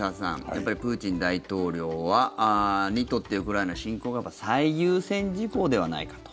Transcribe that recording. やっぱりプーチン大統領にとってウクライナ侵攻が最優先事項ではないかと。